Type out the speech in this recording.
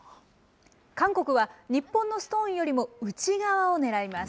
韓国は日本のストーンよりも内側を狙います。